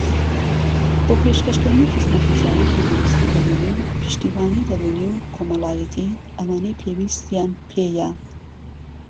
بۆ پێشكەشكردنی خزمەتگوزاری تەندروستی دەروونی و پشتیوانی دەروونی و كۆمەڵایەتی ئەوانەی پێویستیان پێیە